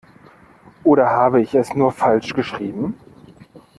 Oder habe ich es nur falsch geschrieben?